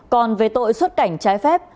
còn về tội xuất cảnh trái phép